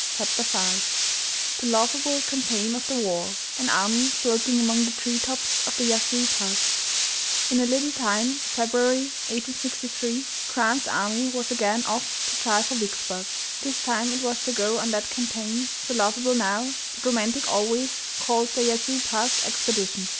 CHAPTER V The laughable campaign of the war An army floating among the tree tops of the Yazoo Pass. In a little time, February, 1863, Grant's army was again off to try for Vicksburg. This time it was to go on that campaign, so laughable now, but romantic always, called the "Yazoo Pass expedition."